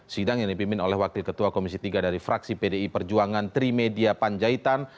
sidang yang dipimpin oleh wakil ketua komisi tiga dari fraksi pdi perjuangan trimedia panjaitan